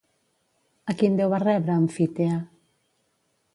A quin déu va rebre Amfítea?